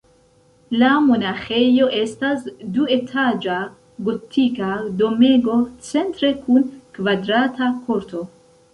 La monaĥejo estas duetaĝa gotika domego, centre kun kvadrata korto.